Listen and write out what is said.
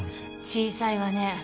小さいわね。